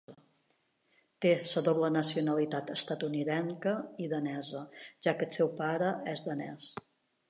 Té la doble nacionalitat estatunidenca i danesa, ja que el seu pare és danès.